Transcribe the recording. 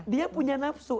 dia punya nafsu